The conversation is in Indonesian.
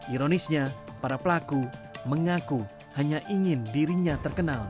ironisnya para pelaku mengaku hanya ingin dirinya terkenal